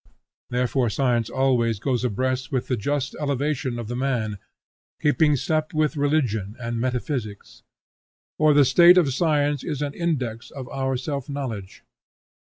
Therefore science always goes abreast with the just elevation of the man, keeping step with religion and metaphysics; or the state of science is an index of our self knowledge.